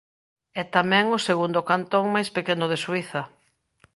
É tamén o segundo cantón máis pequeno de Suíza.